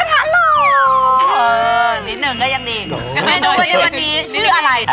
นิดหนึ่งก็ยังดีโดยที่วันนี้ชื่ออะไร